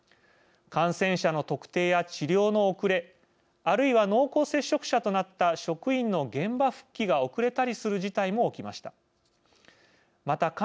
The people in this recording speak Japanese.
感染者の特定や治療の遅れあるいは濃厚接触者となった職員の現場復帰が遅れたりする事態も起きました。